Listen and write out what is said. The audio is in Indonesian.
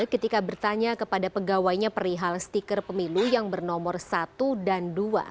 ketika bertanya kepada pegawainya perihal stiker pemilu yang bernomor satu dan dua